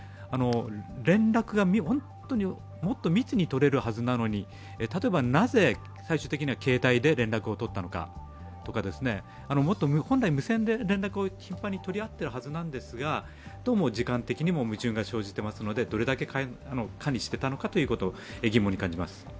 連絡が本当に、もっと密にとれるはずなのに例えばなぜ最終的には携帯で連絡を取ったのかですとか、本来、無線で、頻繁に連絡を取り合っているはずなんですがどうも時間的にも矛盾が生じていますのでどれだけ管理してたのかということを疑問に感じます。